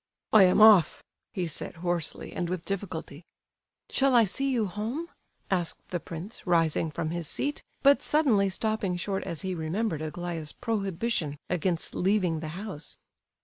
"I am off," he said, hoarsely, and with difficulty. "Shall I see you home?" asked the prince, rising from his seat, but suddenly stopping short as he remembered Aglaya's prohibition against leaving the house.